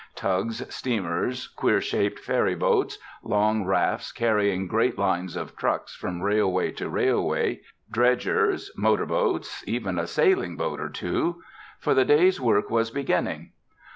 Tugs, steamers, queer shaped ferry boats, long rafts carrying great lines of trucks from railway to railway, dredgers, motor boats, even a sailing boat or two; for the day's work was beginning.